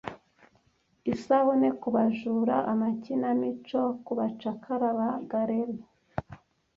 isabune kubajura amakinamico kubacakara ba galley